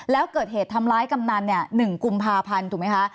แล้วเกิดเหตุทำร้ายกำนัน๑กุมภาพันธ์ถูกไหมคะ